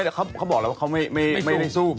หนึ่งด้าวฟ้าเดียว